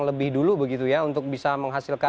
lebih dulu untuk bisa menghasilkan